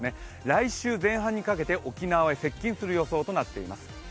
来週前半にかけて沖縄に接近する予想となっています。